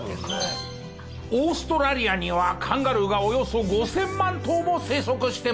オーストラリアにはカンガルーがおよそ５０００万頭も生息してます。